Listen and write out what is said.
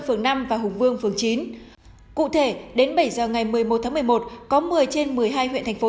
phường năm và hùng vương phường chín cụ thể đến bảy giờ ngày một mươi một tháng một mươi một có một mươi trên một mươi hai huyện thành phố